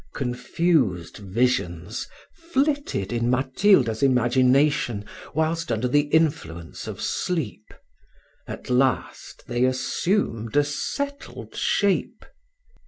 Confused visions flitted in Matilda's imagination whilst under the influence of sleep; at last they assumed a settled shape.